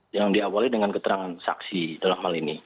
yang diawali dengan keterangan saksi dalam hal ini